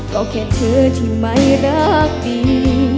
ก็แค่เธอที่ไม่รักดี